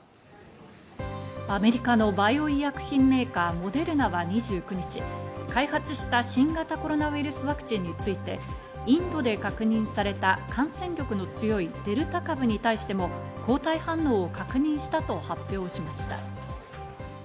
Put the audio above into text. アメリカのバイオ医薬品メーカー・モデルナは２９日、開発した新型コロナウイルスワクチンについて、インドで確認された感染力の強いデルタ株に対しても抗体反応を確認したと発表しました。